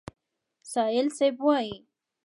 سایل صیب وایي: